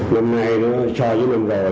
năm nay so với năm rồi